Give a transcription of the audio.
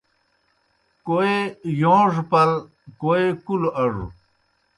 کوئے یوݩڙپل، کوئے کُلوْ اڙوْ